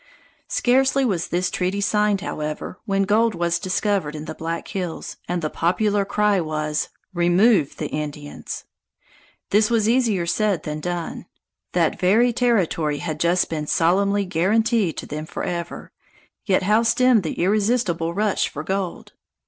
Scarcely was this treaty signed, however, when gold was discovered in the Black Hills, and the popular cry was: "Remove the Indians!" This was easier said than done. That very territory had just been solemnly guaranteed to them forever: yet how stem the irresistible rush for gold?